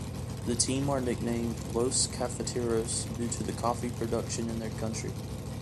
The team are nicknamed "Los Cafeteros" due to the coffee production in their country.